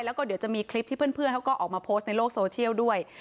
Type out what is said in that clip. แล้วก็เดี๋ยวจะมีคลิปที่เพื่อนเขาก็ออกมาโพสต์ในโลกโซเชียลด้วย